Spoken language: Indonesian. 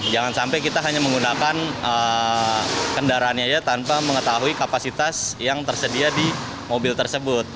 jangan sampai kita hanya menggunakan kendaraannya aja tanpa mengetahui kapasitas yang tersedia di mobil tersebut